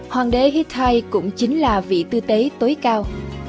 hoàng đế hittite cũng chính là vị tư tế tối cao